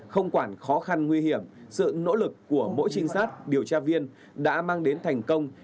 không quản khó khăn nguy hiểm sự nỗ lực của mỗi trinh sát điều tra viên đã mang đến thành công